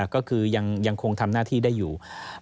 ก็คือยังคงทำหน้าที่ได้อยู่